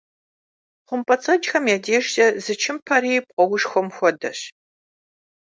Хъумпӏэцӏэджхэм я дежкӏэ зы чымпэри пкъоушхуэм хуэдэщ.